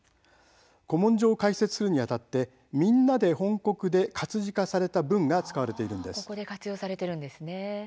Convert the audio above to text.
古文書を解説するにあたって「みんなで翻刻」で活字化された文が使われているんです。